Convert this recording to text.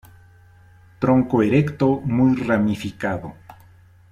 Tronco erecto, muy ramificado.